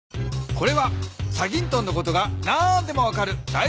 これは『チャギントン』のことが何でも分かるだい